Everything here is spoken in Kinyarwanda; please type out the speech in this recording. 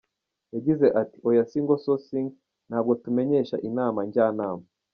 Yagize ati “Oya ‘single sourcing’ ntabwo tumenyesha Inama Njyanama.